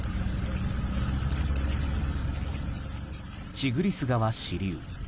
チグリス川支流。